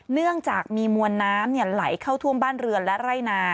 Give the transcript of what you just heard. เนื่องจากมีมวลน้ำไหลเข้าท่วมบ้านเรือนและไร่นา